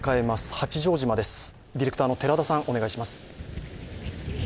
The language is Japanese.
八丈島です、ディレクターの寺田さん、お願いします。